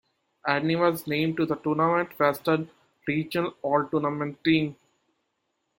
Edney was named to the Tournament Western Regional All-Tournament team.